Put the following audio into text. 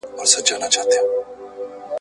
مینه مو زړه ده پیوند سوې له ازله ,